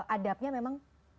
adabnya memang berbeda